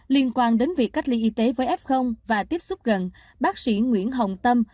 liên quan đến việc cách ly y tế với f và tiếp xúc gần bác sĩ nguyễn hồng tâm